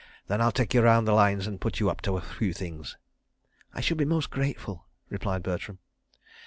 Then I'll take you round the Lines and put you up to a few things. ..." "I should be most grateful," replied Bertram.